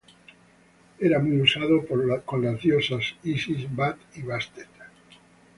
Era muy usado con las diosas Isis, Bat y Bastet.